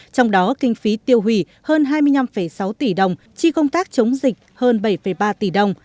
trong đó kinh phí tiêu hủy hơn hai mươi năm sáu tỷ đồng chi công tác chống dịch hơn bảy ba tỷ đồng